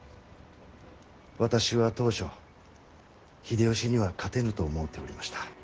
私は当初秀吉には勝てぬと思うておりました。